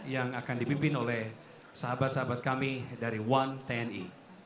yang akan dipimpin oleh sahabat sahabat kami dari one tni